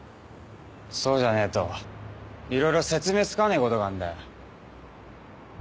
そうじゃねえと色々説明つかねえことがあんだよ。